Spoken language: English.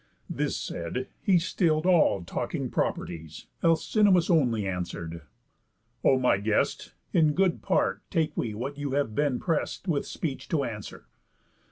This said, he still'd all talking properties. Alcinous only answer'd: "O my guest, In good part take we what you have been prest With speech to answer.